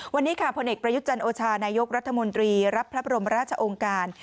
วันนี้ค่ะผลเอกประยุทธ์จันโอชานายกรัฐมนตรีรับพระบรมราชองค์การ